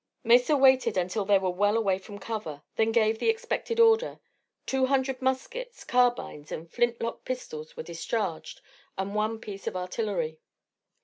Mesa waited until they were well away from cover, then gave the expected order: two hundred muskets, carbines, and flintlock pistols were discharged, and one piece of artillery.